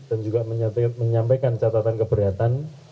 dan juga menyampaikan catatan keberatan